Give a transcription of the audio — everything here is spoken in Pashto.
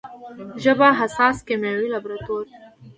ژبه حساس کیمیاوي لابراتوار دی.